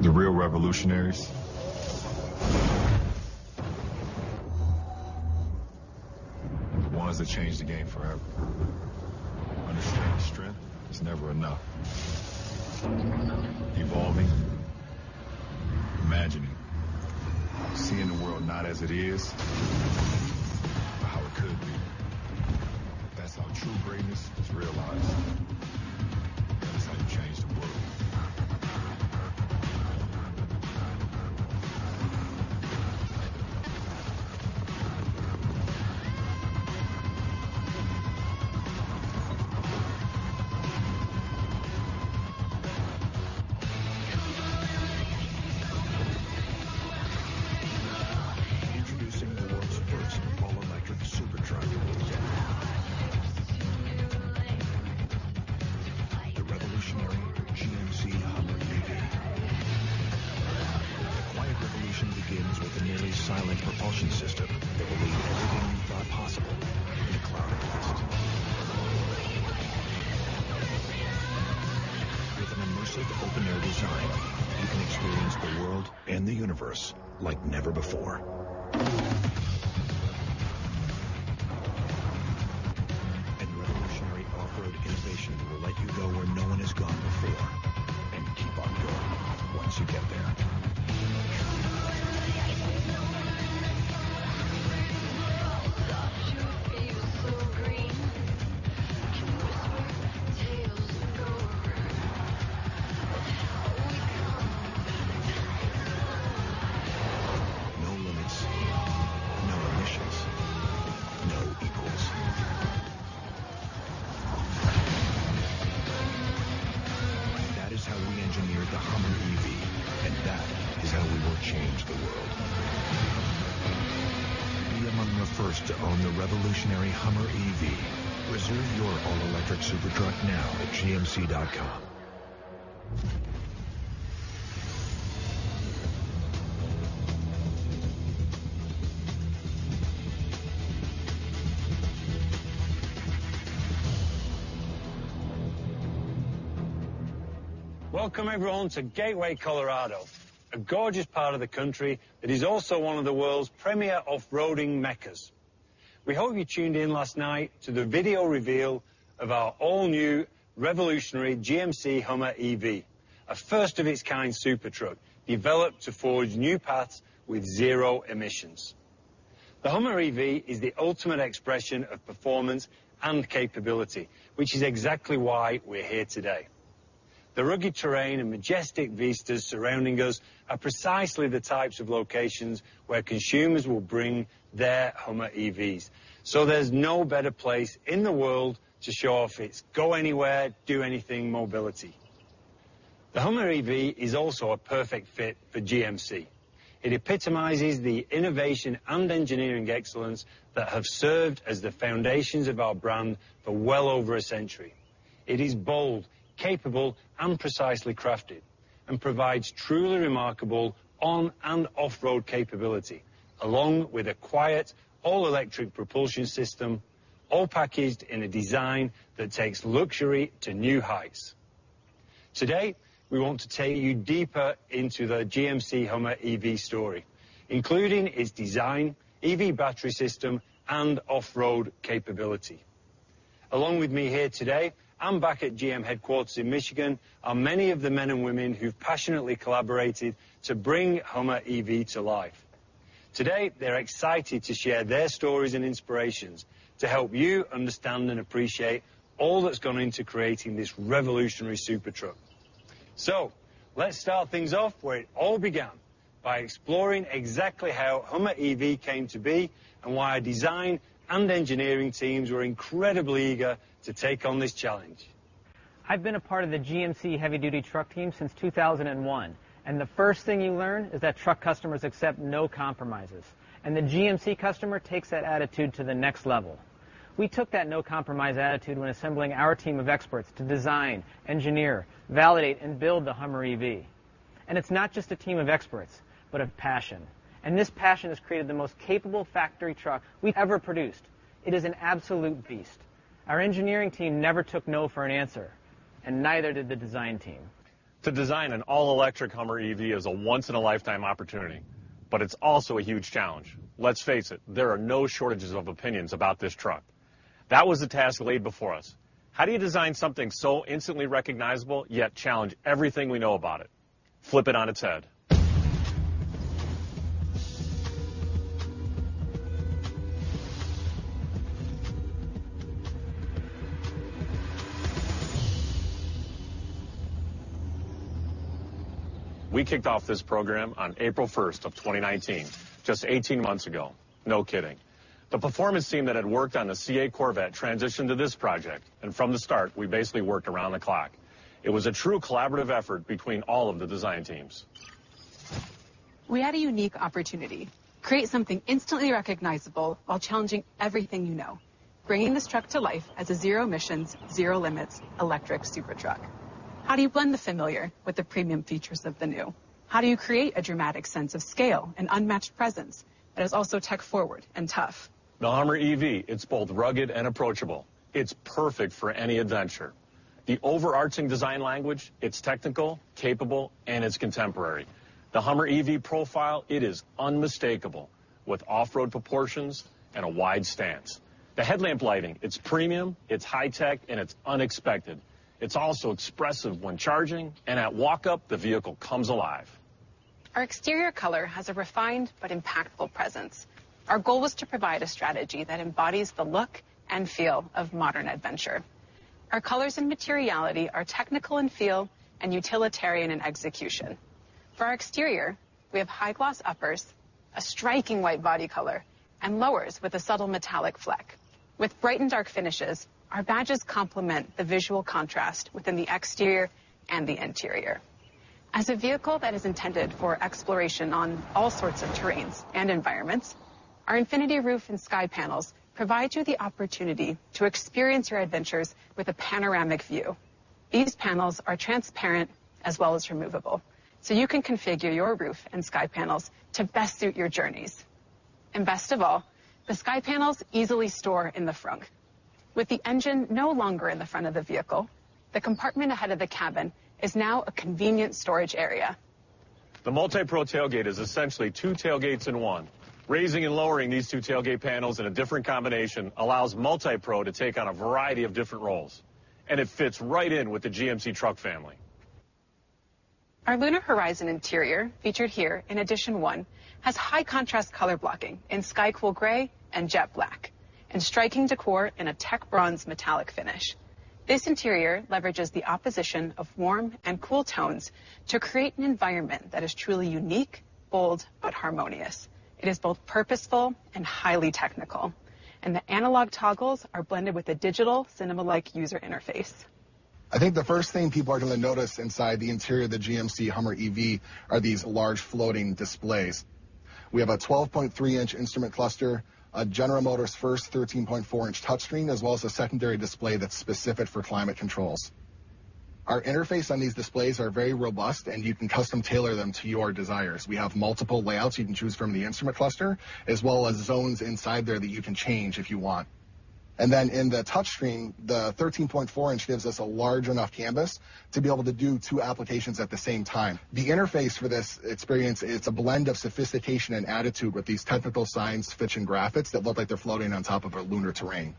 The real revolutionaries are the ones that change the game forever. Understanding strength is never enough. Evolving, imagining, seeing the world not as it is, but how it could be. That's how true greatness is realized. That is how you change the world. Introducing the world's first all-electric supertruck. The revolutionary GMC HUMMER EV. The quiet revolution begins with the nearly silent propulsion system that will leave everything you thought possible in the cloud of dust. With an immersive open-air design, you can experience the world and the universe like never before. Revolutionary off-road innovation will let you go where no one has gone before and keep on going once you get there. No limits, no emissions, no equals. That is how we engineered the HUMMER EV, and that is how we will change the world. Be among the first to own the revolutionary HUMMER EV. Reserve your all-electric supertruck now at gmc.com. Welcome everyone to Gateway, Colorado, a gorgeous part of the country that is also one of the world's premier off-roading meccas. We hope you tuned in last night to the video reveal of our all-new revolutionary GMC HUMMER EV, a first of its kind supertruck developed to forge new paths with zero emissions. The HUMMER EV is the ultimate expression of performance and capability, which is exactly why we're here today. The rugged terrain and majestic vistas surrounding us are precisely the types of locations where consumers will bring their HUMMER EVs, so there's no better place in the world to show off its go anywhere, do anything mobility. The HUMMER EV is also a perfect fit for GMC. It epitomizes the innovation and engineering excellence that have served as the foundations of our brand for well over a century. It is bold, capable, and precisely crafted, and provides truly remarkable on and off-road capability along with a quiet all electric propulsion system, all packaged in a design that takes luxury to new heights. Today, we want to take you deeper into the GMC HUMMER EV story, including its design, EV battery system, and off-road capability. Along with me here today and back at GM headquarters in Michigan are many of the men and women who've passionately collaborated to bring HUMMER EV to life. Today, they're excited to share their stories and inspirations to help you understand and appreciate all that's gone into creating this revolutionary supertruck. Let's start things off where it all began by exploring exactly how HUMMER EV came to be and why our design and engineering teams were incredibly eager to take on this challenge. I've been a part of the GMC heavy duty truck team since 2001. The first thing you learn is that truck customers accept no compromises. The GMC customer takes that attitude to the next level. We took that no compromise attitude when assembling our team of experts to design, engineer, validate, and build the HUMMER EV. It's not just a team of experts, but of passion. This passion has created the most capable factory truck we've ever produced. It is an absolute beast. Our engineering team never took no for an answer. Neither did the design team. To design an all electric HUMMER EV is a once in a lifetime opportunity, but it's also a huge challenge. Let's face it, there are no shortages of opinions about this truck. That was the task laid before us. How do you design something so instantly recognizable, yet challenge everything we know about it? Flip it on its head. We kicked off this program on April 1st, 2019, just 18 months ago, no kidding. The performance team that had worked on the C8 Corvette transitioned to this project, and from the start we basically worked around the clock. It was a true collaborative effort between all of the design teams. We had a unique opportunity: create something instantly recognizable while challenging everything you know, bringing this truck to life as a zero emissions, zero limits electric supertruck. How do you blend the familiar with the premium features of the new? How do you create a dramatic sense of scale and unmatched presence that is also tech forward and tough? The HUMMER EV, it's both rugged and approachable. It's perfect for any adventure. The overarching design language, it's technical, capable, and it's contemporary. The HUMMER EV profile, it is unmistakable, with off-road proportions and a wide stance. The headlamp lighting, it's premium, it's high-tech, and it's unexpected. It's also expressive when charging and at walk-up, the vehicle comes alive. Our exterior color has a refined but impactful presence. Our goal was to provide a strategy that embodies the look and feel of modern adventure. Our colors and materiality are technical in feel and utilitarian in execution. For our exterior, we have high gloss uppers, a striking white body color, and lowers with a subtle metallic fleck. With bright and dark finishes, our badges complement the visual contrast within the exterior and the interior. As a vehicle that is intended for exploration on all sorts of terrains and environments, our Infinity Roof and Sky Panels provide you the opportunity to experience your adventures with a panoramic view. These panels are transparent as well as removable. You can configure your roof and Sky Panels to best suit your journeys. Best of all, the Sky Panels easily store in the frunk. With the engine no longer in the front of the vehicle, the compartment ahead of the cabin is now a convenient storage area. The MultiPro Tailgate is essentially two tailgates in one. Raising and lowering these two tailgate panels in a different combination allows MultiPro to take on a variety of different roles, and it fits right in with the GMC truck family. Our Lunar Horizon interior, featured here in Edition 1, has high contrast color blocking in Sky Cool Gray and Jet Black and striking decor in a Tech Bronze metallic finish. This interior leverages the opposition of warm and cool tones to create an environment that is truly unique, bold, but harmonious. It is both purposeful and highly technical, and the analog toggles are blended with a digital cinema-like user interface. I think the first thing people are going to notice inside the interior of the GMC HUMMER EV are these large floating displays. We have a 12.3 inch instrument cluster, a General Motors first 13.4 inch touchscreen, as well as a secondary display that's specific for climate controls. Our interface on these displays are very robust, and you can custom tailor them to your desires. We have multiple layouts you can choose from in the instrument cluster, as well as zones inside there that you can change if you want. In the touchscreen, the 13.4 inch gives us a large enough canvas to be able to do two applications at the same time. The interface for this experience, it's a blend of sophistication and attitude with these technical science fiction graphics that look like they're floating on top of a lunar terrain.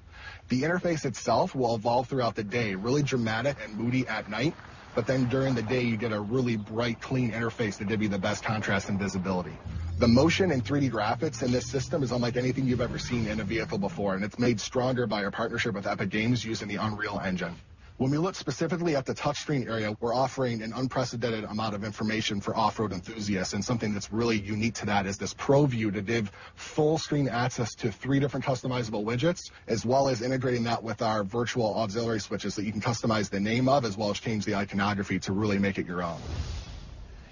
The interface itself will evolve throughout the day, really dramatic and moody at night, but then during the day, you get a really bright, clean interface that give you the best contrast and visibility. The motion and 3D graphics in this system is unlike anything you've ever seen in a vehicle before, and it's made stronger by our partnership with Epic Games using the Unreal Engine. When we look specifically at the touchscreen area, we're offering an unprecedented amount of information for off-road enthusiasts, and something that's really unique to that is this ProView to give full screen access to three different customizable widgets, as well as integrating that with our virtual auxiliary switches that you can customize the name of, as well as change the iconography to really make it your own.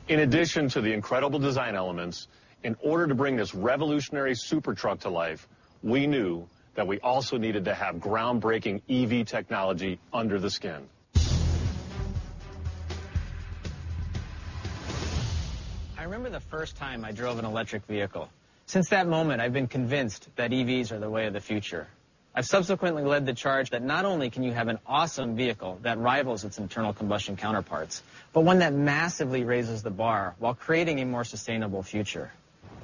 In addition to the incredible design elements, in order to bring this revolutionary supertruck to life, we knew that we also needed to have groundbreaking EV technology under the skin. I remember the first time I drove an electric vehicle. Since that moment, I've been convinced that EVs are the way of the future. I've subsequently led the charge that not only can you have an awesome vehicle that rivals its internal combustion counterparts, but one that massively raises the bar while creating a more sustainable future.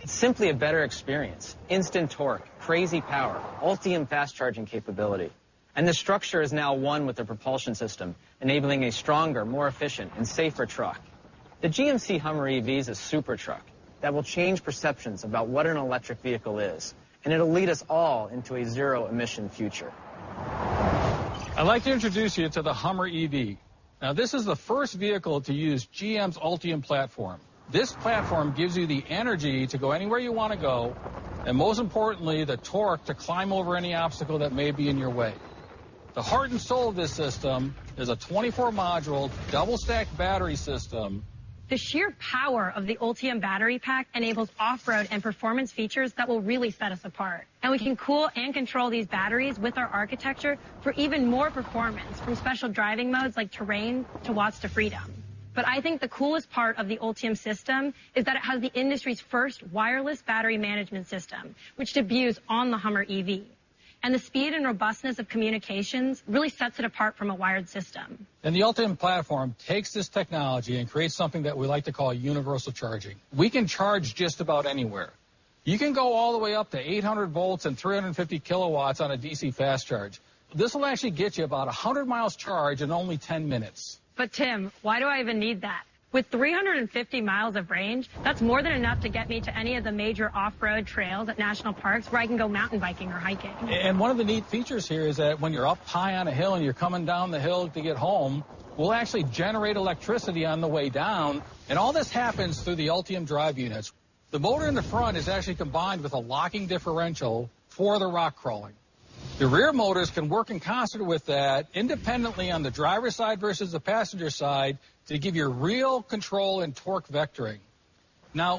It's simply a better experience. Instant torque, crazy power, Ultium fast charging capability, and the structure is now one with the propulsion system enabling a stronger, more efficient, and safer truck. The GMC HUMMER EV is a supertruck that will change perceptions about what an electric vehicle is, and it'll lead us all into a zero emission future. I'd like to introduce you to the HUMMER EV. Now, this is the first vehicle to use GM's Ultium platform. This platform gives you the energy to go anywhere you want to go, and most importantly, the torque to climb over any obstacle that may be in your way. The heart and soul of this system is a 24-module double stacked battery system. The sheer power of the Ultium battery pack enables off-road and performance features that will really set us apart, and we can cool and control these batteries with our architecture for even more performance from special driving modes like terrain to Watts to Freedom. I think the coolest part of the Ultium system is that it has the industry's first wireless battery management system, which debuts on the HUMMER EV. The speed and robustness of communications really sets it apart from a wired system. The Ultium platform takes this technology and creates something that we like to call universal charging. We can charge just about anywhere. You can go all the way up to 800 volts and 350 kilowatts on a DC fast charge. This will actually get you about 100 miles charge in only 10 minutes. Tim, why do I even need that? With 350 miles of range, that's more than enough to get me to any of the major off-road trails at national parks where I can go mountain biking or hiking. One of the neat features here is that when you're up high on a hill and you're coming down the hill to get home, we'll actually generate electricity on the way down and all this happens through the Ultium drive units. The motor in the front is actually combined with a locking differential for the rock crawling. The rear motors can work in concert with that independently on the driver's side versus the passenger side to give you real control and torque vectoring.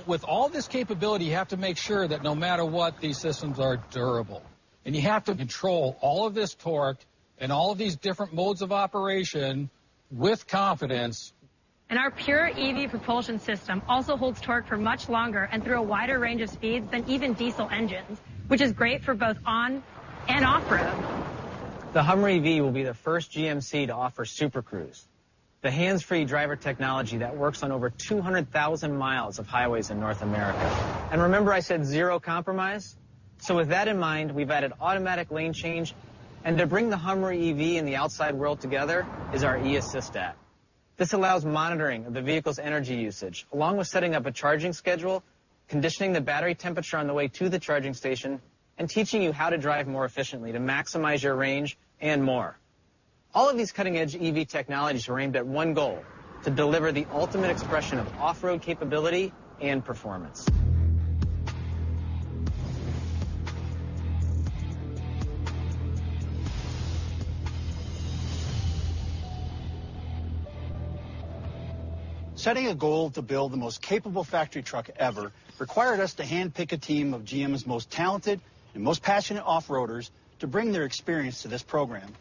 With all this capability, you have to make sure that no matter what, these systems are durable and you have to control all of this torque and all of these different modes of operation with confidence. Our pure EV propulsion system also holds torque for much longer and through a wider range of speeds than even diesel engines, which is great for both on and off-road. The HUMMER EV will be the first GMC to offer Super Cruise, the hands-free driver technology that works on over 200,000 miles of highways in North America. Remember I said zero compromise? With that in mind, we've added automatic lane change, and to bring the HUMMER EV and the outside world together is our eAssist app. This allows monitoring of the vehicle's energy usage, along with setting up a charging schedule, conditioning the battery temperature on the way to the charging station, and teaching you how to drive more efficiently to maximize your range, and more. All of these cutting-edge EV technologies are aimed at one goal, to deliver the ultimate expression of off-road capability and performance. Setting a goal to build the most capable factory truck ever required us to handpick a team of GM's most talented and most passionate off-roaders to bring their experience to this program.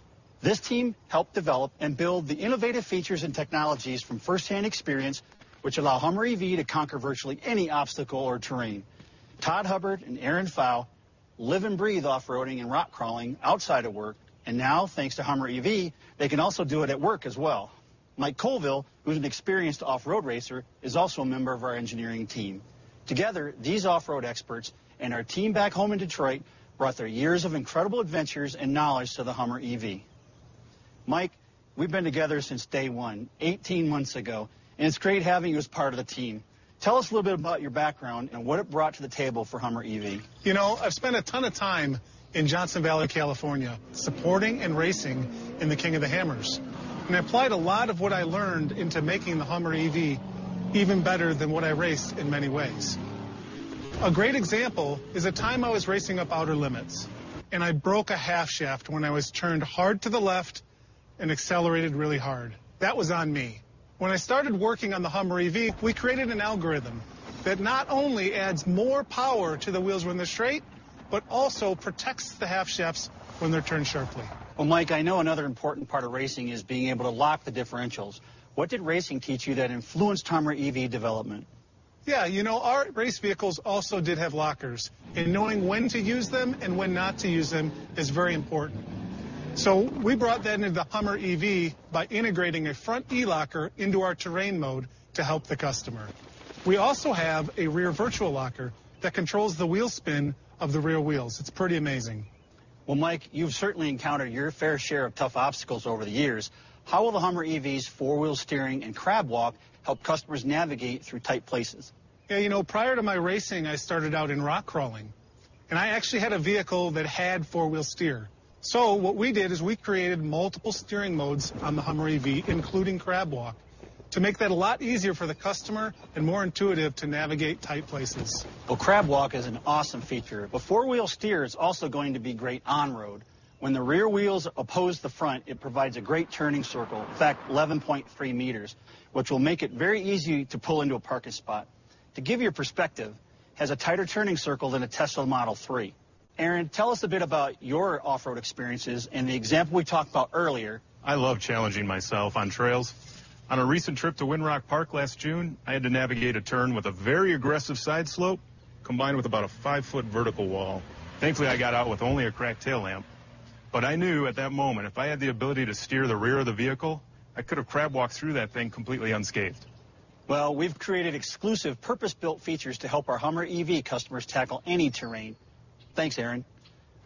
This team helped develop and build the innovative features and technologies from first-hand experience, which allow HUMMER EV to conquer virtually any obstacle or terrain. Todd Hubbard and Aaron Pfau live and breathe off-roading and rock crawling outside of work, and now, thanks to HUMMER EV, they can also do it at work as well. Mike Colville, who's an experienced off-road racer, is also a member of our engineering team. Together, these off-road experts and our team back home in Detroit brought their years of incredible adventures and knowledge to the HUMMER EV. Mike, we've been together since day one, 18 months ago, and it's great having you as part of the team. Tell us a little bit about your background and what it brought to the table for HUMMER EV. You know, I've spent a ton of time in Johnson Valley, California, supporting and racing in the King of the Hammers. I applied a lot of what I learned into making the HUMMER EV even better than what I raced in many ways. A great example is a time I was racing up Outer Limits and I broke a half shaft when I was turned hard to the left and accelerated really hard. That was on me. When I started working on the HUMMER EV, we created an algorithm that not only adds more power to the wheels when they're straight, but also protects the half shafts when they're turned sharply. Well, Mike, I know another important part of racing is being able to lock the differentials. What did racing teach you that influenced HUMMER EV development? Our race vehicles also did have lockers, and knowing when to use them and when not to use them is very important. We brought that into the HUMMER EV by integrating a front e-locker into our Terrain Mode to help the customer. We also have a rear virtual locker that controls the wheel spin of the rear wheels. It's pretty amazing. Well, Mike, you've certainly encountered your fair share of tough obstacles over the years. How will the HUMMER EV's four-wheel steering and CrabWalk help customers navigate through tight places? Yeah, you know, prior to my racing, I started out in rock crawling, and I actually had a vehicle that had four-wheel steer. What we did is we created multiple steering modes on the HUMMER EV, including CrabWalk, to make that a lot easier for the customer and more intuitive to navigate tight places. CrabWalk is an awesome feature, but four-wheel steer is also going to be great on road. When the rear wheels oppose the front, it provides a great turning circle, in fact, 11.3 meters, which will make it very easy to pull into a parking spot. To give you a perspective, it has a tighter turning circle than a Tesla Model 3. Aaron, tell us a bit about your off-road experiences and the example we talked about earlier. I love challenging myself on trails. On a recent trip to Windrock Park last June, I had to navigate a turn with a very aggressive side slope combined with about a five-foot vertical wall. Thankfully, I got out with only a cracked tail lamp. I knew at that moment, if I had the ability to steer the rear of the vehicle, I could've CrabWalked through that thing completely unscathed. We've created exclusive purpose-built features to help our HUMMER EV customers tackle any terrain. Thanks, Aaron.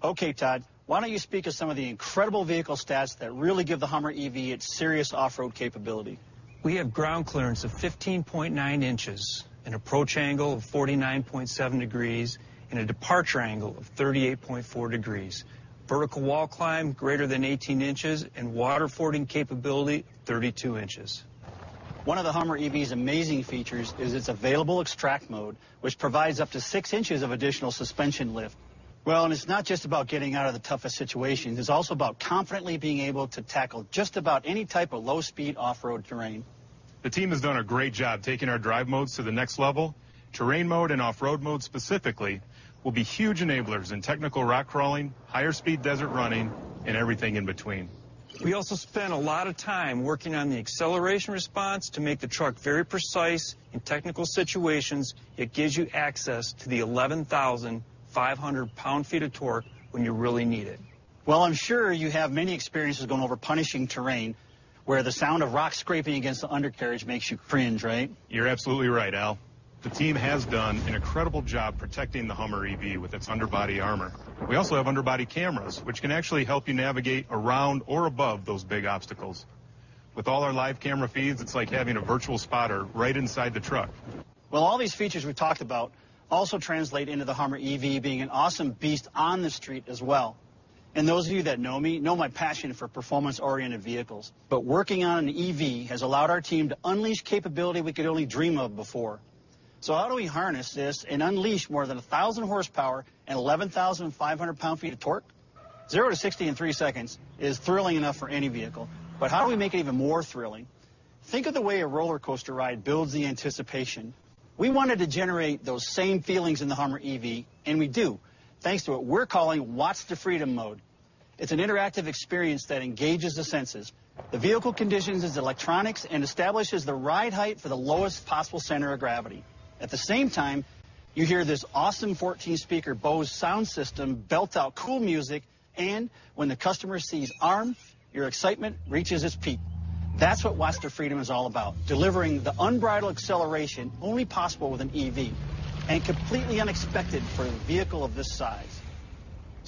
Todd, why don't you speak of some of the incredible vehicle stats that really give the HUMMER EV its serious off-road capability? We have ground clearance of 15.9 inches, an approach angle of 49.7 degrees, and a departure angle of 38.4 degrees, vertical wall climb greater than 18 inches, and water fording capability 32 inches. One of the HUMMER EV's amazing features is its available Extract Mode, which provides up to six inches of additional suspension lift. Well, it's not just about getting out of the toughest situations, it's also about confidently being able to tackle just about any type of low-speed off-road terrain. The team has done a great job taking our drive modes to the next level. Terrain Mode and Off-Road Mode specifically will be huge enablers in technical rock crawling, higher speed desert running, and everything in between. We also spent a lot of time working on the acceleration response to make the truck very precise in technical situations. It gives you access to the 11,500 pound-feet of torque when you really need it. Well, I'm sure you have many experiences going over punishing terrain where the sound of rocks scraping against the undercarriage makes you cringe, right? You're absolutely right, Al. The team has done an incredible job protecting the HUMMER EV with its underbody armor. We also have underbody cameras, which can actually help you navigate around or above those big obstacles. With all our live camera feeds, it's like having a virtual spotter right inside the truck. All these features we've talked about also translate into the HUMMER EV being an awesome beast on the street as well, and those of you that know me know my passion for performance-oriented vehicles. Working on an EV has allowed our team to unleash capability we could only dream of before. How do we harness this and unleash more than 1,000 horsepower and 11,500 pound-feet of torque? Zero to 60 in three seconds is thrilling enough for any vehicle, but how do we make it even more thrilling? Think of the way a rollercoaster ride builds the anticipation. We wanted to generate those same feelings in the HUMMER EV, and we do, thanks to what we're calling Watts to Freedom Mode. It's an interactive experience that engages the senses. The vehicle conditions its electronics and establishes the ride height for the lowest possible center of gravity. At the same time, you hear this awesome 14-speaker Bose sound system belt out cool music, when the customer sees Armed, your excitement reaches its peak. That's what Watts to Freedom is all about, delivering the unbridled acceleration only possible with an EV, completely unexpected for a vehicle of this size.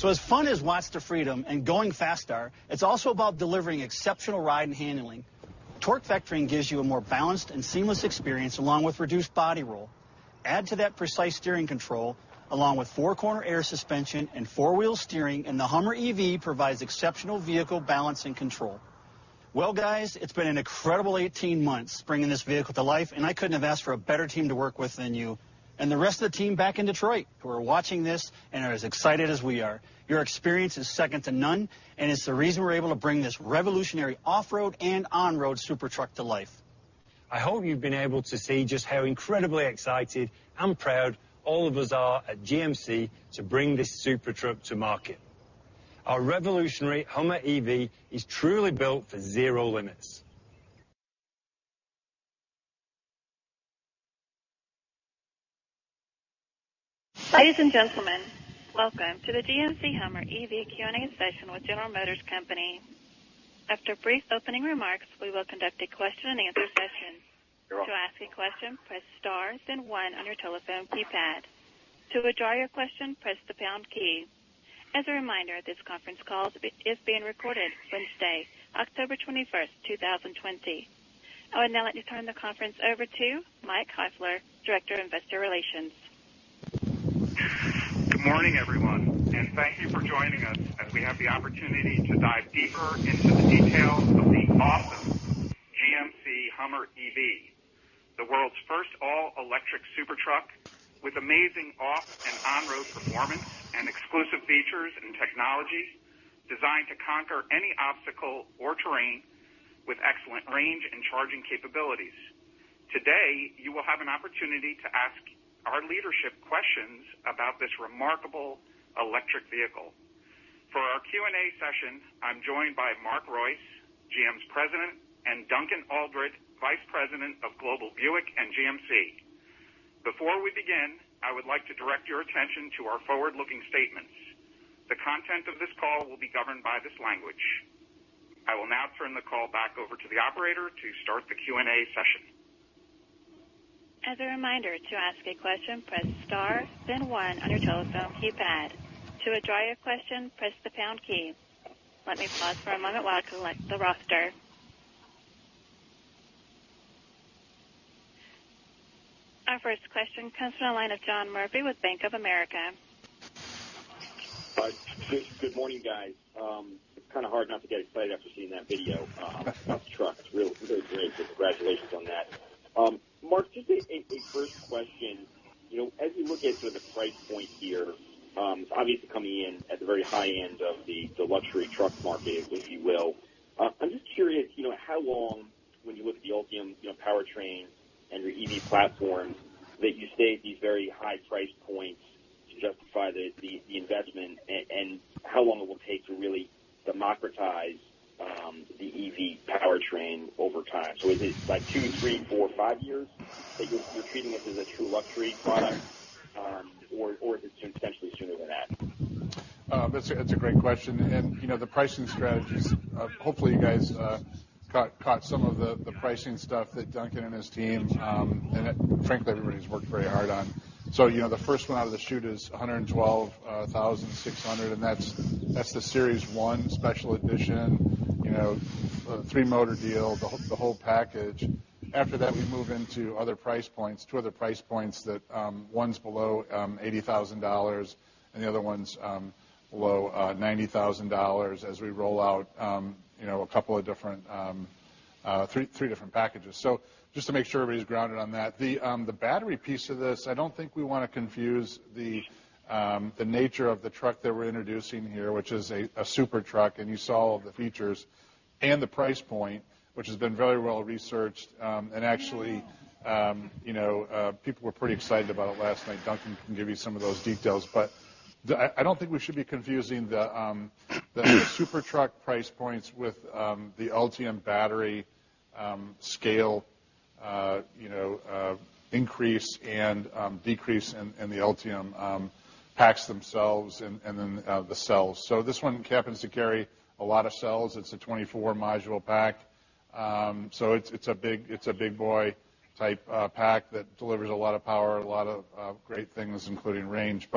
As fun as Watts to Freedom and going fast are, it's also about delivering exceptional ride and handling. Torque vectoring gives you a more balanced and seamless experience along with reduced body roll. Add to that precise steering control, along with four-corner air suspension and four-wheel steering, the HUMMER EV provides exceptional vehicle balance and control. Well, guys, it's been an incredible 18 months bringing this vehicle to life, and I couldn't have asked for a better team to work with than you, and the rest of the team back in Detroit who are watching this and are as excited as we are. Your experience is second to none, and it's the reason we're able to bring this revolutionary off-road and on-road supertruck to life. I hope you've been able to see just how incredibly excited and proud all of us are at GMC to bring this supertruck to market. Our revolutionary HUMMER EV is truly built for zero limits. Ladies and gentlemen, welcome to the GMC HUMMER EV Q&A session with General Motors Company. After brief opening remarks, we will conduct a question and answer session to ask a question please press star then one on your telephone keypad, to withdraw your question the pound key. As a reminder, this conference call is being recorded Wednesday, October 21st, 2020. I would now like to turn the conference over to Mike Heifler, Director of Investor Relations. Good morning, everyone, and thank you for joining us as we have the opportunity to dive deeper into the details of the awesome GMC HUMMER EV, the world's first all-electric supertruck with amazing off and on-road performance and exclusive features and technology designed to conquer any obstacle or terrain with excellent range and charging capabilities. Today, you will have an opportunity to ask our leadership questions about this remarkable electric vehicle. For our Q&A session, I'm joined by Mark Reuss, GM's President, and Duncan Aldred, Vice President of Global Buick and GMC. Before we begin, I would like to direct your attention to our forward-looking statements. The content of this call will be governed by this language. I will now turn the call back over to the operator to start the Q&A session. As a reminder, to ask a question, press star then one on your telephone keypad. To withdraw your question, press the pound key. Let me pause for a moment while I collect the roster. Our first question comes from the line of John Murphy with Bank of America. Good morning, guys. It's kind of hard not to get excited after seeing that video of the truck. It's really great, so congratulations on that. Mark, just a first question. You know, as we look at sort of the price point here, it's obviously coming in at the very high end of the luxury truck market, if you will. I'm just curious, you know, how long when you look at the Ultium, you know, powertrain and your EV platform that you stay at these very high price points to justify the investment and how long it will take to really democratize the EV powertrain over time. Is it, like, two, three, four, five years that you're treating this as a true luxury product? Or is it potentially sooner than that? That's a great question. You know, the pricing strategies, hopefully you guys caught some of the pricing stuff that Duncan and his team, and frankly, everybody's worked very hard on. You know, the first one out of the chute is $112,600, and that's the Series One Special Edition. You know, three motor deal, the whole package. After that, we move into other price points, two other price points that one's below $80,000 and the other one's below $90,000 as we roll out, you know, a couple of different, three different packages. Just to make sure everybody's grounded on that. The battery piece of this, I don't think we wanna confuse the nature of the truck that we're introducing here, which is a supertruck, and you saw all the features and the price point, which has been very well-researched. Actually, you know, people were pretty excited about it last night. Duncan can give you some of those details. I don't think we should be confusing the supertruck price points with the Ultium battery scale, you know, increase and decrease in the Ultium packs themselves and then the cells. This one happens to carry a lot of cells. It's a 24-module pack. It's a big, it's a big boy type pack that delivers a lot of power, a lot of great things, including range.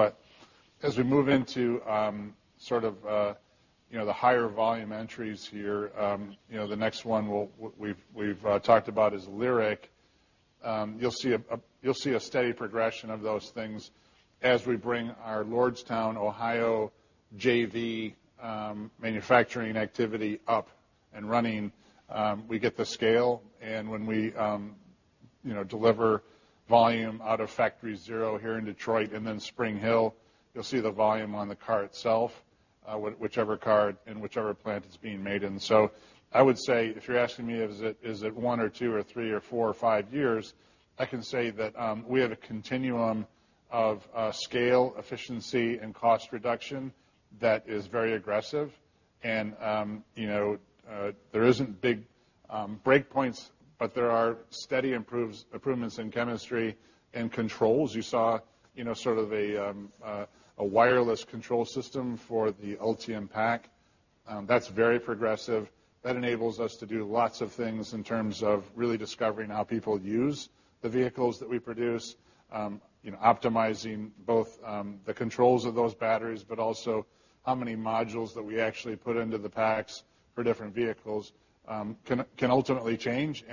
As we move into, sort of, you know, the higher volume entries here, you know, the next one we've talked about is LYRIQ. You'll see a steady progression of those things as we bring our Lordstown, Ohio, JV manufacturing activity up and running. We get the scale, and when we, you know, deliver volume out of Factory Zero here in Detroit and then Spring Hill, you'll see the volume on the car itself. Whichever car in whichever plant it's being made in. I would say, if you're asking me is it one or two or three or four or five years, I can say that we have a continuum of scale, efficiency, and cost reduction that is very aggressive. You know, there isn't big. Break points, but there are steady improvements in chemistry and controls. You saw a wireless control system for the Ultium pack. That's very progressive. That enables us to do lots of things in terms of really discovering how people use the vehicles that we produce, optimizing both the controls of those batteries, but also how many modules that we actually put into the packs for different vehicles can ultimately change.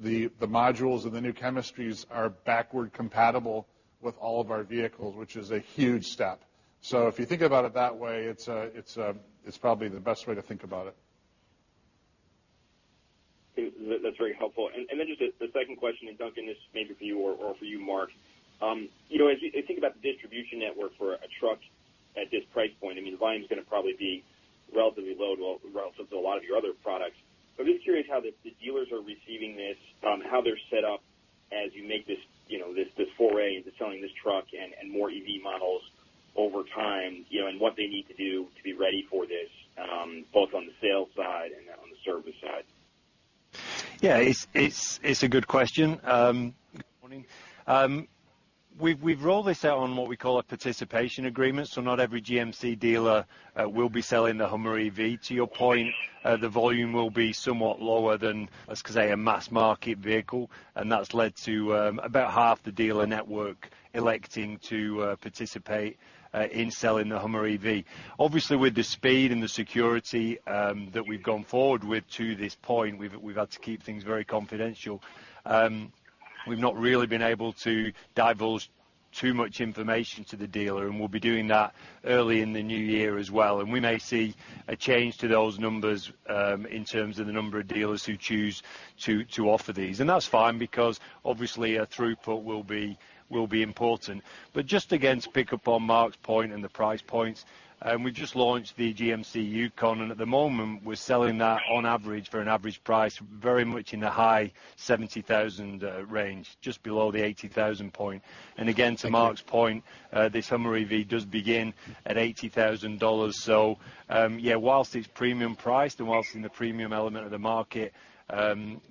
The modules and the new chemistries are backward compatible with all of our vehicles, which is a huge step. If you think about it that way, it's probably the best way to think about it. That's very helpful. Just the second question, and Duncan, this is maybe for you or for you, Mark. As you think about the distribution network for a truck at this price point, volume's going to probably be relatively low to a lot of your other products. I'm just curious how the dealers are receiving this, how they're set up as you make this foray into selling this truck and more EV models over time, and what they need to do to be ready for this, both on the sales side and on the service side. Yeah. It's a good question. We've rolled this out on what we call a participation agreement, so not every GMC dealer will be selling the HUMMER EV. To your point, the volume will be somewhat lower than, let's say, a mass market vehicle, and that's led to about half the dealer network electing to participate in selling the HUMMER EV. Obviously, with the speed and the security that we've gone forward with to this point, we've had to keep things very confidential. We've not really been able to divulge too much information to the dealer, and we'll be doing that early in the new year as well. We may see a change to those numbers, in terms of the number of dealers who choose to offer these. That's fine because, obviously, a throughput will be important. Just, again, to pick up on Mark's point and the price points, we just launched the GMC Yukon, and at the moment, we're selling that on average for an average price very much in the high $70,000 range, just below the $80,000 point. Again, to Mark's point, this HUMMER EV does begin at $80,000. While it's premium priced and while in the premium element of the market,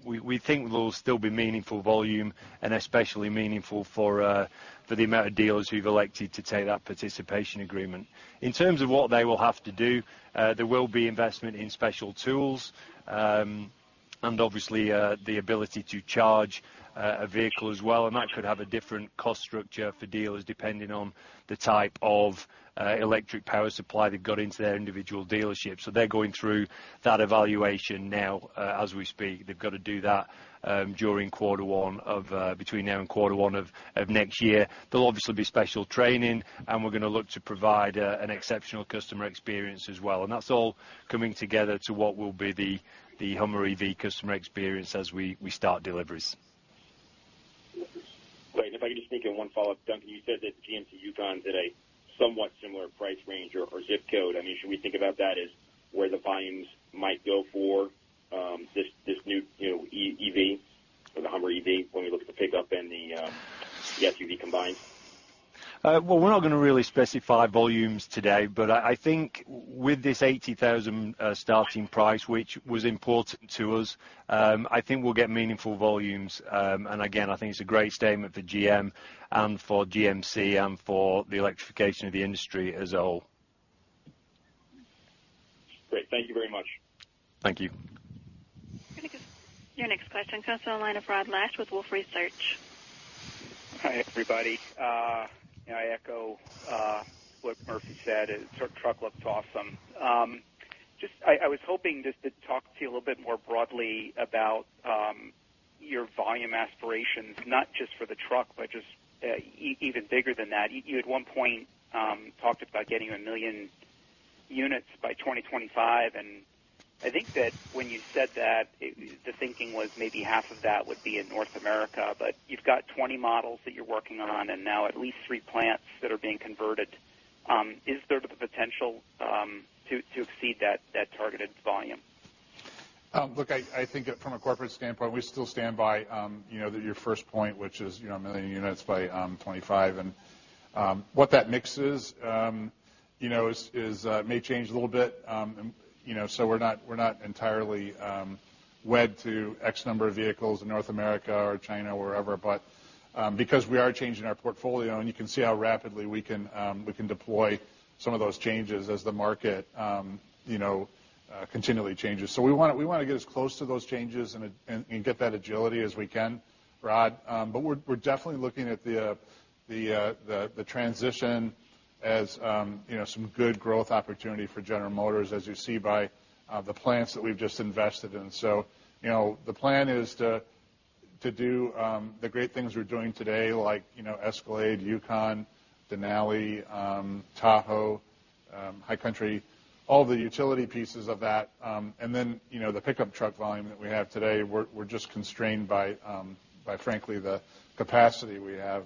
we think there'll still be meaningful volume and especially meaningful for the amount of dealers who've elected to take that participation agreement. In terms of what they will have to do, there will be investment in special tools, and obviously, the ability to charge a vehicle as well, and that could have a different cost structure for dealers depending on the type of electric power supply they've got into their individual dealership. They're going through that evaluation now as we speak. They've got to do that between now and quarter one of next year. There'll obviously be special training, we're going to look to provide an exceptional customer experience as well. That's all coming together to what will be the HUMMER EV customer experience as we start deliveries. Great. If I could just sneak in one follow-up, Duncan, you said that the GMC Yukon is at a somewhat similar price range or zip code. Should we think about that as where the volumes might go for this new EV or the HUMMER EV, when we look at the pickup and the SUV combined? We're not going to really specify volumes today, but I think with this $80,000 starting price, which was important to us, I think we'll get meaningful volumes. Again, I think it's a great statement for GM and for GMC and for the electrification of the industry as a whole. Great. Thank you very much. Thank you. We're going to your next question. Go on the line of Rod Lache with Wolfe Research. Hi, everybody. I echo what Murphy said. The truck looks awesome. Just, I was hoping just to talk to you a little bit more broadly about your volume aspirations, not just for the truck, but just even bigger than that. You at one point, talked about getting 1 million units by 2025. I think that when you said that, the thinking was maybe half of that would be in North America. You've got 20 models that you're working on and now at least three plants that are being converted. Is there the potential to exceed that targeted volume? Look, I think from a corporate standpoint, we still stand by your first point, which is 1 million units by 2025. What that mix is may change a little bit, so we're not entirely wed to X number of vehicles in North America or China, wherever. Because we are changing our portfolio, and you can see how rapidly we can deploy some of those changes as the market continually changes. We want to get as close to those changes and get that agility as we can, Rod. We're definitely looking at the transition as some good growth opportunity for General Motors, as you see by the plants that we've just invested in. The plan is to do the great things we're doing today, like Escalade, Yukon, Denali, Tahoe, High Country, all the utility pieces of that. The pickup truck volume that we have today, we're just constrained by, frankly, the capacity we have.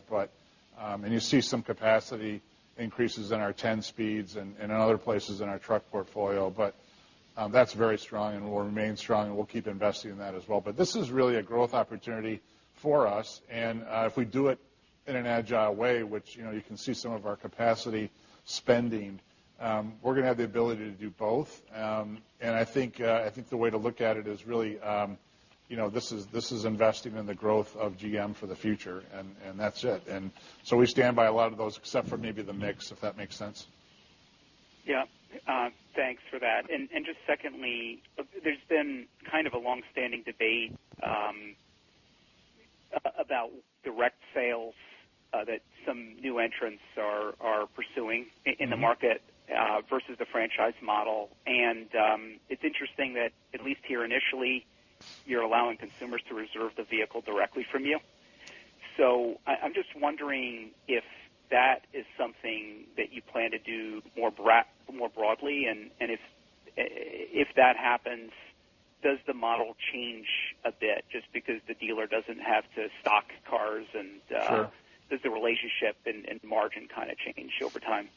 You see some capacity increases in our 10 speeds and in other places in our truck portfolio. That's very strong and will remain strong, and we'll keep investing in that as well. This is really a growth opportunity for us, and if we do it In an agile way, which you can see some of our capacity spending. We're going to have the ability to do both. I think the way to look at it is really, this is investing in the growth of GM for the future, and that's it. We stand by a lot of those, except for maybe the mix, if that makes sense. Yeah. Thanks for that. Just secondly, there's been kind of a longstanding debate about direct sales that some new entrants are pursuing in the market versus the franchise model. It's interesting that at least here initially, you're allowing consumers to reserve the vehicle directly from you. I'm just wondering if that is something that you plan to do more broadly, and if that happens, does the model change a bit just because the dealer doesn't have to stock cars? Sure. Does the relationship and margin kind of change over time?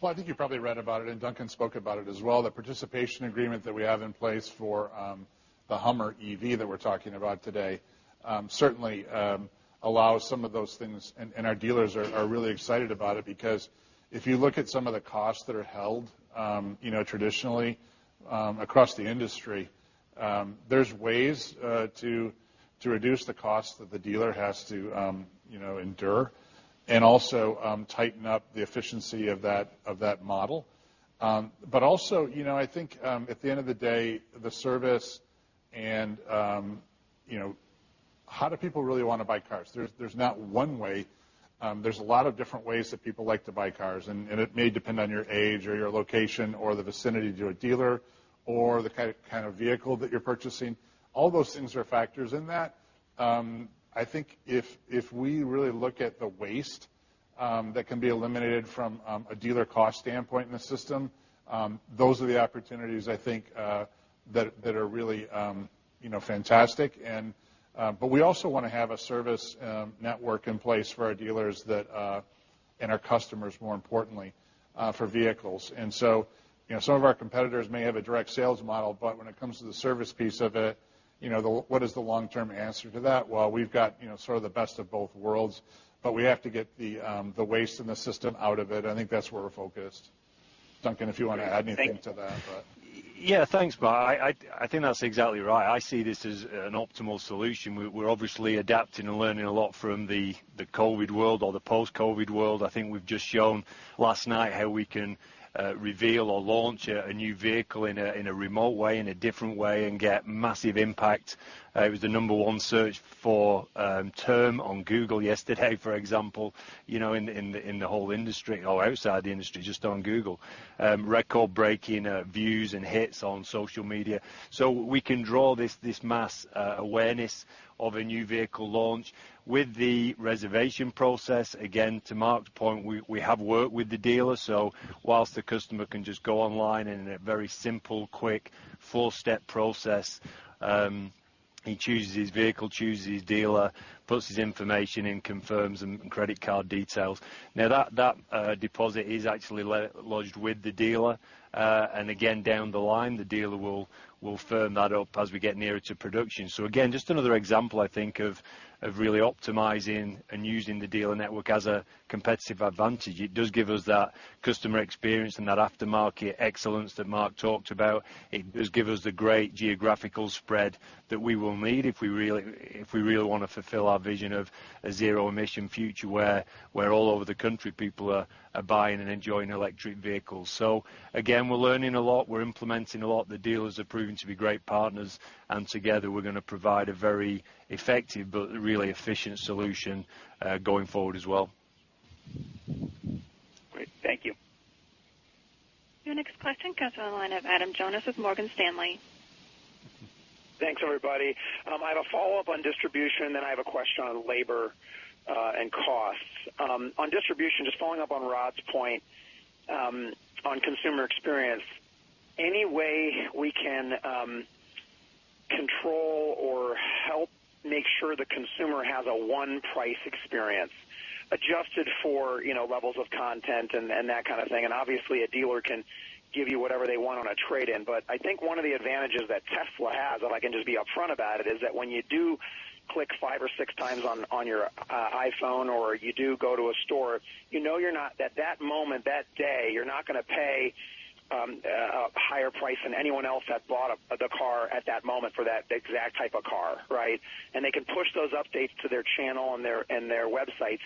Well, I think you probably read about it. Duncan spoke about it as well, the participation agreement that we have in place for the HUMMER EV that we're talking about today, certainly allows some of those things. Our dealers are really excited about it because if you look at some of the costs that are held traditionally across the industry, there's ways to reduce the cost that the dealer has to endure and also tighten up the efficiency of that model. Also, I think at the end of the day, the service and how do people really want to buy cars? There's not one way. There's a lot of different ways that people like to buy cars. It may depend on your age or your location or the vicinity to a dealer or the kind of vehicle that you're purchasing. All those things are factors in that. I think if we really look at the waste that can be eliminated from a dealer cost standpoint in the system, those are the opportunities I think that are really fantastic. We also want to have a service network in place for our dealers and our customers, more importantly, for vehicles. Some of our competitors may have a direct sales model, but when it comes to the service piece of it, what is the long-term answer to that? Well, we've got sort of the best of both worlds, but we have to get the waste in the system out of it. I think that's where we're focused. Duncan, if you want to add anything to that. Yeah. Thanks, Mark. I think that's exactly right. I see this as an optimal solution. We're obviously adapting and learning a lot from the COVID world or the post-COVID world. I think we've just shown last night how we can reveal or launch a new vehicle in a remote way, in a different way and get massive impact. It was the number one search for term on Google yesterday, for example, in the whole industry or outside the industry, just on Google. Record-breaking views and hits on social media. We can draw this mass awareness of a new vehicle launch. With the reservation process, again, to Mark's point, we have worked with the dealer, so whilst the customer can just go online in a very simple, quick, four-step process, he chooses his vehicle, chooses his dealer, puts his information in, confirms credit card details. Now that deposit is actually lodged with the dealer. Again, down the line, the dealer will firm that up as we get nearer to production. Again, just another example, I think of really optimizing and using the dealer network as a competitive advantage. It does give us that customer experience and that aftermarket excellence that Mark talked about. It does give us the great geographical spread that we will need if we really want to fulfill our vision of a zero-emission future where all over the country, people are buying and enjoying electric vehicles. Again, we're learning a lot. We're implementing a lot. The dealers are proving to be great partners, and together we're going to provide a very effective but really efficient solution, going forward as well. Great. Thank you. Your next question comes on the line of Adam Jonas with Morgan Stanley. Thanks, everybody. I have a follow-up on distribution, then I have a question on labor and costs. On distribution, just following up on Rod's point, on consumer experience. Any way we can control or help make sure the consumer has a one-price experience adjusted for levels of content and that kind of thing? Obviously, a dealer can give you whatever they want on a trade-in. I think one of the advantages that Tesla has, if I can just be upfront about it, is that when you do click five or six times on your iPhone, or you do go to a store, you know that moment, that day, you're not going to pay a higher price than anyone else that bought the car at that moment for that exact type of car, right? They can push those updates to their channel and their websites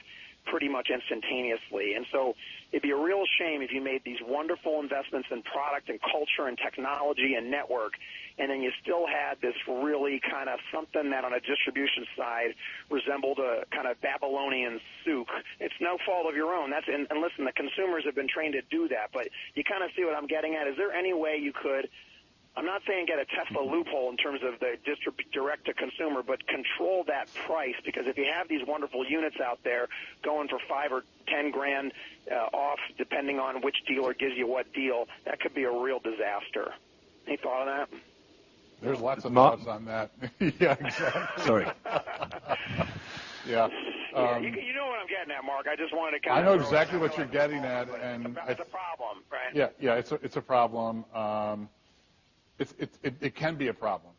pretty much instantaneously. It'd be a real shame if you made these wonderful investments in product and culture and technology and network, and then you still had this really kind of something that on a distribution side, resembled a kind of Babylonian souk. It's no fault of your own. Listen, the consumers have been trained to do that. You kind of see what I'm getting at. Is there any way you could, I'm not saying get a Tesla loophole in terms of the direct to consumer, but control that price, because if you have these wonderful units out there going for $5 or $10 grand off, depending on which dealer gives you what deal, that could be a real disaster. Any thought on that? There's lots of thoughts on that. Sorry. Yeah. You know what I'm getting at, Mark. I just wanted to kind of throw- I know exactly what you're getting at. It's a problem, right? Yeah. It's a problem. It can be a problem.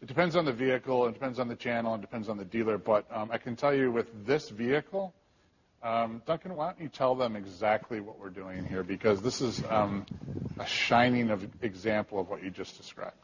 It depends on the vehicle, it depends on the channel, it depends on the dealer. I can tell you with this vehicle, Duncan, why don't you tell them exactly what we're doing here, because this is a shining example of what you just described.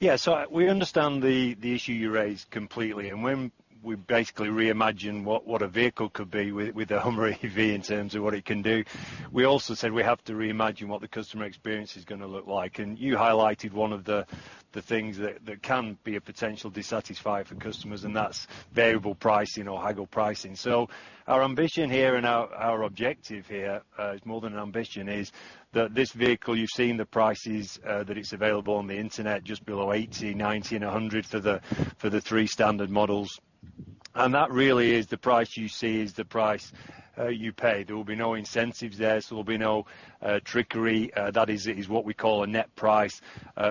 Yeah. We understand the issue you raised completely. When we basically reimagined what a vehicle could be with a HUMMER EV in terms of what it can do, we also said we have to reimagine what the customer experience is going to look like. You highlighted one of the things that can be a potential dissatisfier for customers, and that's variable pricing or haggle pricing. Our ambition here and our objective here, it's more than an ambition, is that this vehicle, you've seen the prices that it's available on the internet just below $80, $90, and $100 for the three standard models. That really is the price you see is the price you pay. There will be no incentives there, so there will be no trickery. That is what we call a net price,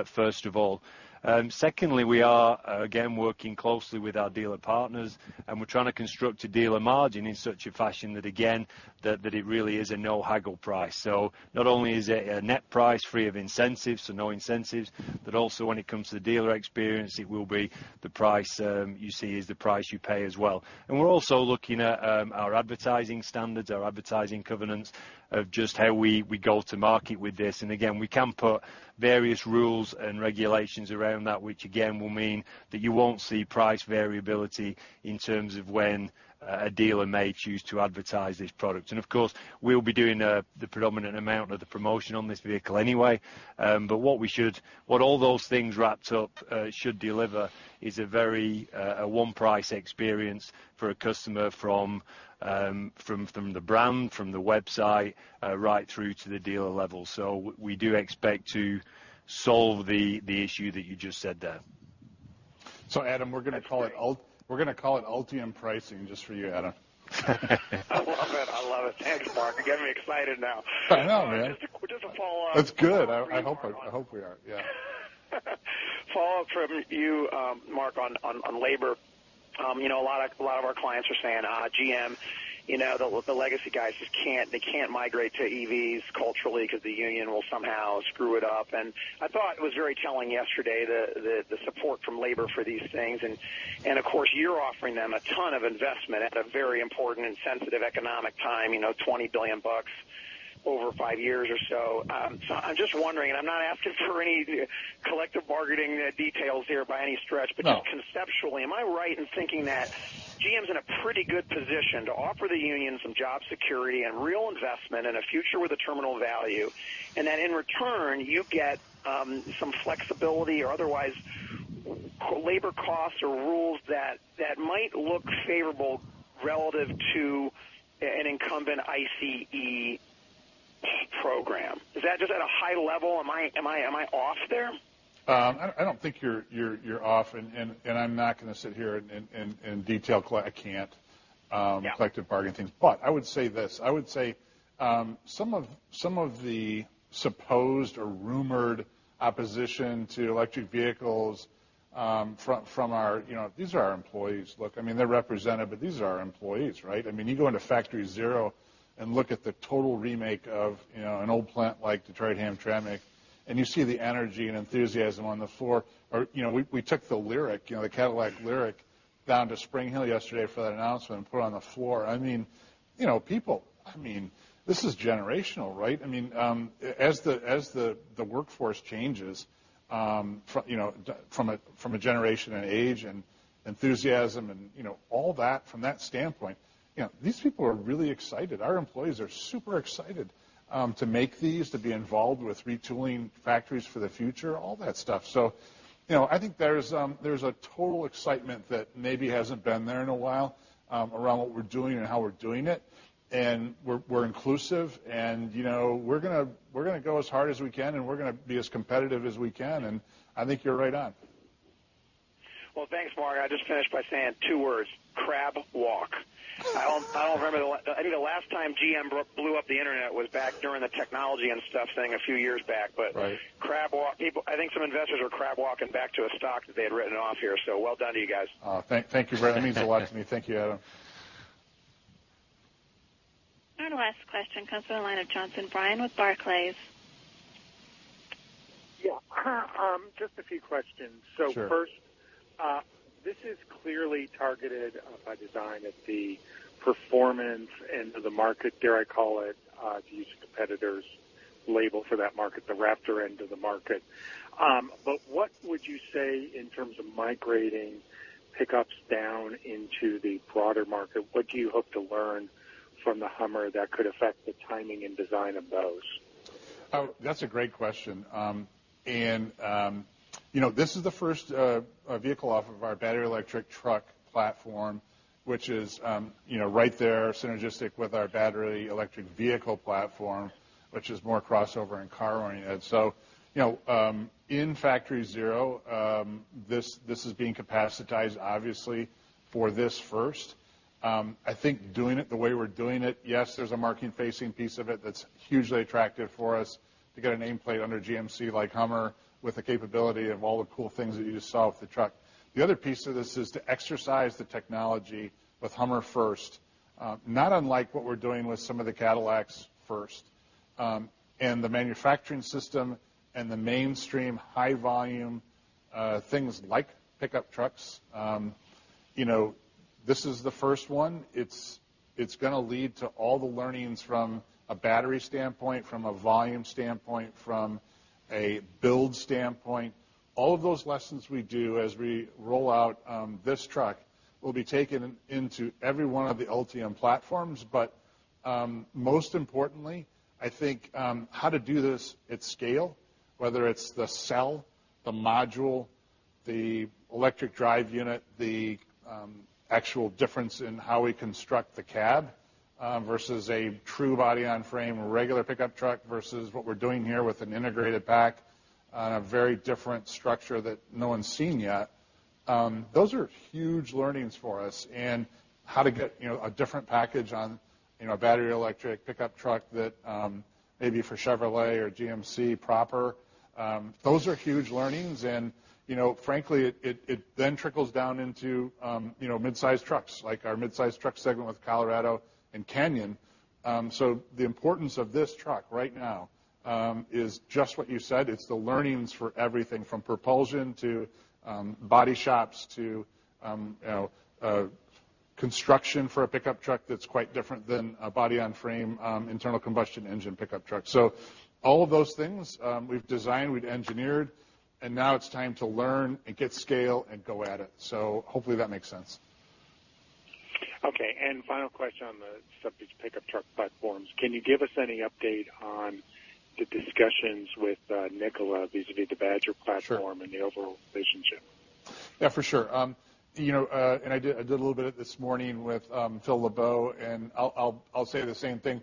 first of all. Secondly, we are, again, working closely with our dealer partners, and we're trying to construct a dealer margin in such a fashion that, again, that it really is a no haggle price. Not only is it a net price free of incentives, so no incentives, but also when it comes to the dealer experience, it will be the price you see is the price you pay as well. We're also looking at our advertising standards, our advertising covenants of just how we go to market with this. Again, we can put various rules and regulations around that, which again, will mean that you won't see price variability in terms of when a dealer may choose to advertise this product. Of course, we'll be doing the predominant amount of the promotion on this vehicle anyway. What all those things wrapped up should deliver is a very one-price experience for a customer from the brand, from the website, right through to the dealer level. We do expect to solve the issue that you just said there. Adam, we're going to call it Ultium pricing just for you, Adam. I love it. Thanks, Mark. You're getting me excited now. I know, man. Just to follow up- That's good. I hope we are. Yeah. Follow-up from you, Mark, on labor. A lot of our clients are saying, "GM, the legacy guys, they can't migrate to EVs culturally because the union will somehow screw it up." I thought it was very telling yesterday, the support from labor for these things. Of course, you're offering them a ton of investment at a very important and sensitive economic time, $20 billion over five years or so. I'm just wondering, I'm not asking for any collective bargaining details here by any stretch. No Just conceptually, am I right in thinking that GM's in a pretty good position to offer the union some job security and real investment in a future with a terminal value, and that in return, you get some flexibility or otherwise labor costs or rules that might look favorable relative to an incumbent ICE program? Just at a high level, am I off there? I don't think you're off, and I'm not going to sit here and detail. Yeah. collective bargain things. I would say this, I would say some of the supposed or rumored opposition to electric vehicles. These are our employees. Look, they're represented, but these are our employees, right? You go into Factory Zero and look at the total remake of an old plant like Detroit Hamtramck, and you see the energy and enthusiasm on the floor. We took the LYRIQ, the Cadillac LYRIQ, down to Spring Hill yesterday for that announcement and put it on the floor. People, this is generational, right? As the workforce changes from a generation and age and enthusiasm and all that from that standpoint, these people are really excited. Our employees are super excited to make these, to be involved with retooling factories for the future, all that stuff. I think there's a total excitement that maybe hasn't been there in a while around what we're doing and how we're doing it. We're inclusive and we're going to go as hard as we can, and we're going to be as competitive as we can. I think you're right on. Well, thanks, Mark. I'll just finish by saying two words, CrabWalk. I think the last time GM blew up the internet was back during the technology and stuff thing a few years back. Right CrabWalk. I think some investors are crab walking back to a stock that they had written off here, so well done to you guys. Oh, thank you, Adam. That means a lot to me. Thank you, Adam. Our last question comes from the line of Brian Johnson with Barclays. Yeah. Just a few questions. Sure. First, this is clearly targeted by design at the performance end of the market, dare I call it, to use a competitor's label for that market, the Raptor end of the market. What would you say in terms of migrating pickups down into the broader market? What do you hope to learn from the Hummer that could affect the timing and design of those? Oh, that's a great question. This is the first vehicle off of our battery electric truck platform, which is right there, synergistic with our battery electric vehicle platform, which is more crossover and car-oriented. In Factory Zero, this is being capacitized obviously for this first. I think doing it the way we're doing it, yes, there's a market-facing piece of it that's hugely attractive for us to get a nameplate under GMC like Hummer with the capability of all the cool things that you just saw with the truck. The other piece of this is to exercise the technology with Hummer first, not unlike what we're doing with some of the Cadillacs first. The manufacturing system and the mainstream high-volume things like pickup trucks, this is the first one. It's going to lead to all the learnings from a battery standpoint, from a volume standpoint, from a build standpoint. All of those lessons we do as we roll out this truck will be taken into every one of the Ultium platforms. Most importantly, I think how to do this at scale, whether it's the cell, the module, the electric drive unit, the actual difference in how we construct the cab versus a true body-on-frame regular pickup truck versus what we're doing here with an integrated pack on a very different structure that no one's seen yet. Those are huge learnings for us, and how to get a different package on a battery electric pickup truck that may be for Chevrolet or GMC proper. Those are huge learnings, frankly, it then trickles down into mid-size trucks, like our mid-size truck segment with Colorado and Canyon. The importance of this truck right now is just what you said. It's the learnings for everything from propulsion, to body shops, to construction for a pickup truck that's quite different than a body-on-frame internal combustion engine pickup truck. All of those things we've designed, we've engineered, and now it's time to learn and get scale and go at it. Hopefully that makes sense. Okay. Final question on the subject of pickup truck platforms. Can you give us any update on the discussions with Nikola vis-a-vis the Badger platform and the overall relationship? Yeah, for sure. I did a little bit of it this morning with Phil LeBeau, and I'll say the same thing.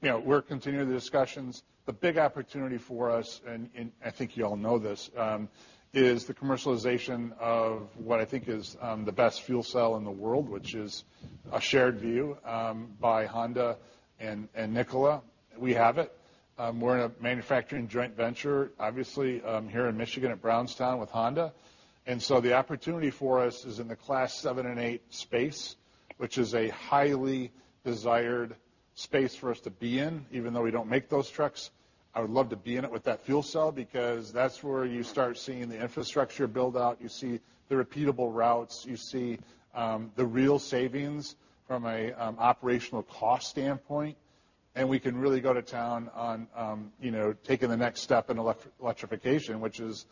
We're continuing the discussions. The big opportunity for us, and I think you all know this, is the commercialization of what I think is the best fuel cell in the world, which is a shared view by Honda and Nikola. We have it. We're in a manufacturing joint venture, obviously, here in Michigan at Brownstown with Honda. The opportunity for us is in the Class 7 and 8 space, which is a highly desired space for us to be in, even though we don't make those trucks. I would love to be in it with that fuel cell because that's where you start seeing the infrastructure build-out, you see the repeatable routes. You see the real savings from a operational cost standpoint. We can really go to town on taking the next step in electrification, which is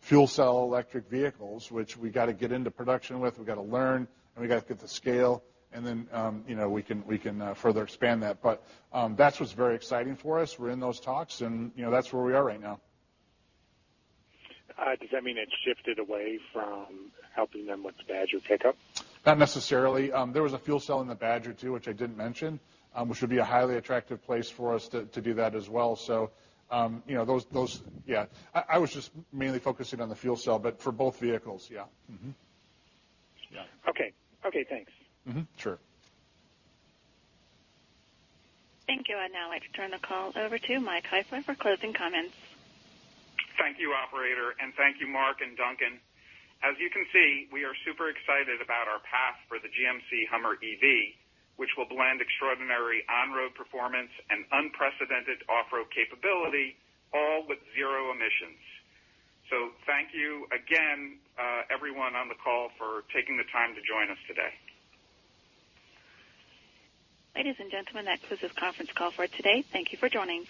fuel cell electric vehicles, which we got to get into production with, we've got to learn, and we got to get to scale. Then, we can further expand that. That's what's very exciting for us. We're in those talks, and that's where we are right now. Does that mean it shifted away from helping them with the Badger pickup? Not necessarily. There was a fuel cell in the Badger, too, which I didn't mention, which would be a highly attractive place for us to do that as well. Those, yeah. I was just mainly focusing on the fuel cell, but for both vehicles, yeah. Mm-hmm. Yeah. Okay. Okay, thanks. Sure. Thank you. I'd now like to turn the call over to Mike Heifler for closing comments. Thank you, operator, and thank you, Mark and Duncan. As you can see, we are super excited about our path for the GMC HUMMER EV, which will blend extraordinary on-road performance and unprecedented off-road capability, all with zero emissions. Thank you again, everyone on the call for taking the time to join us today. Ladies and gentlemen, that closes conference call for today. Thank you for joining.